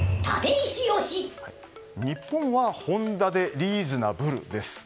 日本はホンダでリーズナブルです。